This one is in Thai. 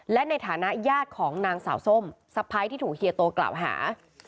และในฐานะญาติของนางสาวส้มสะพ้ายที่ถูกเฮียโตกล่าวหา